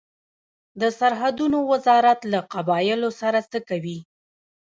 د سرحدونو وزارت له قبایلو سره څه کوي؟